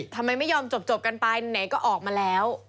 ทำไมไม่ยอมจบกันไปไหนก็ออกมาแล้ว